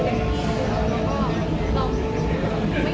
เหมือนมันคอยออกมือ